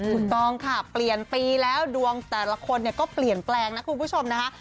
ถูกต้องค่ะเปลี่ยนปีแล้วดวงแต่ละคนเนี่ยก็เปลี่ยนแปลงนะคุณผู้ชมนะคะ